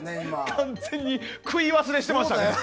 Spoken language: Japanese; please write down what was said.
完全に杭忘れしてました。